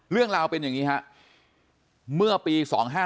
เรื่องราวเป็นอย่างนี้ฮะเมื่อปี๒๕๕